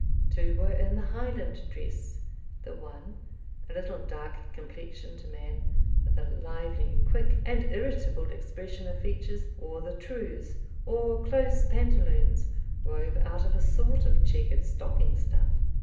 Two were in the Highland dress; the one, a little dark complexioned man, with a lively, quick, and irritable expression of features, wore the trews, or close pantaloons wove out of a sort of chequered stocking stuff.